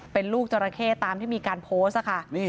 เป็นลูกจราเข้ตามที่มีการโพสต์ค่ะ